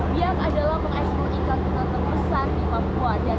biak adalah perikanan yang sangat menjajikan